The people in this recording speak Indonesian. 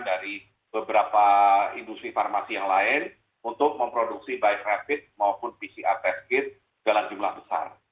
dari beberapa industri farmasi yang lain untuk memproduksi baik rapid maupun pcr test kit dalam jumlah besar